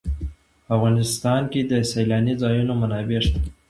په افغانستان کې د سیلانی ځایونه منابع شته.